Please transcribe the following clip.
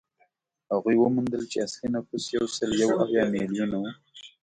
هغوی وموندل چې اصلي نفوس یو سل یو اویا میلیونه و